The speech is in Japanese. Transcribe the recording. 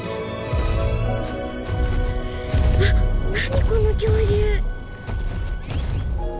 わっ何この恐竜。